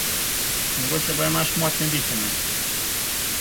Mogoče pa imaš motnjo dihanja.